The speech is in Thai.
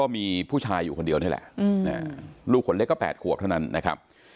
มีผู้ชายอยู่คนเดียวนี่แหละลูกคนเล็กก็๘ขวบเท่านั้นนะครับ